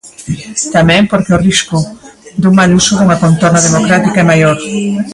Tamén porque o risco dun mal uso nunha contorna democrática é maior.